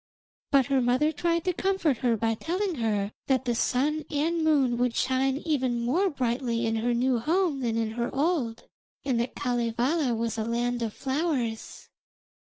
But her mother tried to comfort her by telling her that the sun and moon would shine even more brightly in her new home than in her old, and that Kalevala was a land of flowers.